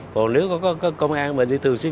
còn nếu có công an thì thường xuyên